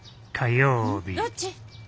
どっち？